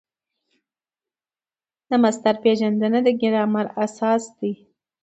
د مصدر پېژندنه د ګرامر اساس دئ.